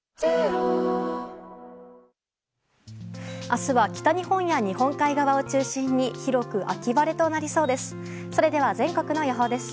明日は北日本や日本海側を中心に広く秋晴れとなりそうです。